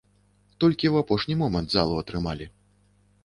Толькі ў апошні момант залу атрымалі.